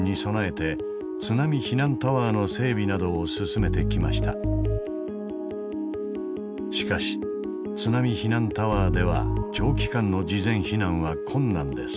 しかし津波避難タワーでは長期間の事前避難は困難です。